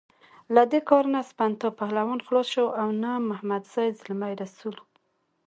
له دې کار نه سپنتا پهلوان خلاص شو او نه محمدزی زلمی رسول.